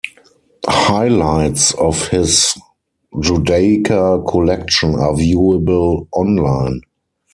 Highlights of his Judaica collection are viewable online.